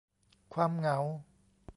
ความเหงา